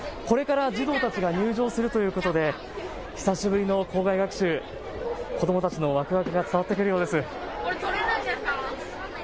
これから児童たちが入場するということで久しぶりの校外学習、子どもたちのわくわくが伝わってくるようです。